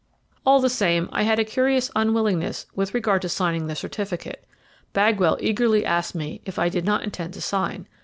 All the same, I had a curious unwillingness with regard to signing the certificate. Bagwell eagerly asked me if I did not intend to sign.